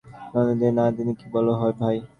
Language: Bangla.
নৃপদিদি, নীরদিদি– কী বল ভাই!